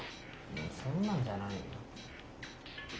そんなんじゃないよ。